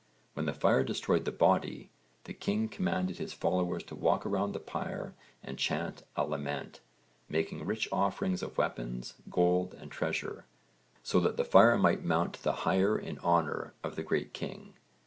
When the fire destroyed the body, the king commanded his followers to walk round the pyre and chant a lament, making rich offerings of weapons, gold and treasure, so that the fire might mount the higher in honour of the great king.